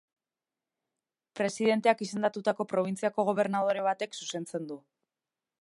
Presidenteak izendatutako probintziako gobernadore batek zuzentzen du.